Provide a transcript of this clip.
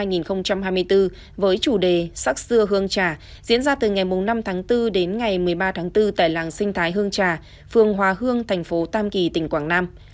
lễ hội tam kỳ mùa hoa xưa năm hai nghìn hai mươi bốn với chủ đề sắc xưa hương trà diễn ra từ ngày năm tháng bốn đến ngày một mươi ba tháng bốn tại làng sinh thái hương trà phường hòa hương thành phố tam kỳ tỉnh quảng nam